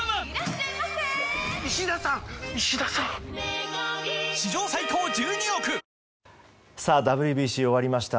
本麒麟ＷＢＣ、終わりました。